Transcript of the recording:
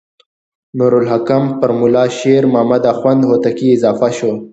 نور الحکم پر ملا شیر محمد اخوند هوتکی اضافه شو.